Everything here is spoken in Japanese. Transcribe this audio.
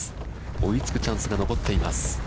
追いつくチャンスが残っています。